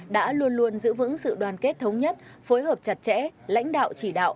đã luôn luôn giữ vững sự đoàn kết thống nhất phối hợp chặt chẽ lãnh đạo chỉ đạo